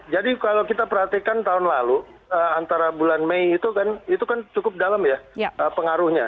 jadi kalau kita perhatikan tahun lalu antara bulan mei itu kan cukup dalam ya pengaruhnya